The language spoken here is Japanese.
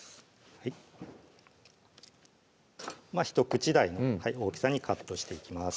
１口大の大きさにカットしていきます